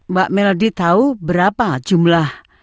mbak meldi tahu berapa jumlah